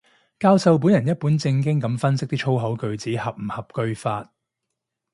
教授本人一本正經噉分析啲粗口句子合唔合句法